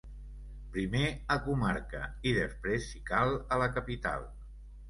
Primer a comarca i, després, si cal, a la capital.